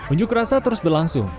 unjuk rasa terus berlangsung